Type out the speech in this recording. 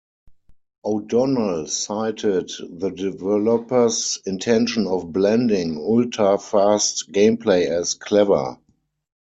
O'Donnell cited the developer's intention of blending ulta-fast gameplay as "clever".